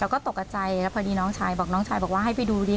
ก็ตกกับใจแล้วพอดีน้องชายบอกน้องชายบอกว่าให้ไปดูดิ